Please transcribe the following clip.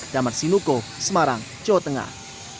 damar sinuko semarang jawa tengah